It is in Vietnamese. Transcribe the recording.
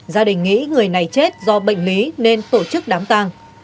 gia đình nghĩ người này chết do bệnh lý nên tổ chức đám tàng